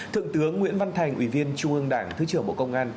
thượng tướng nguyễn văn thành ủy viên trung ương đảng thứ trưởng bộ công an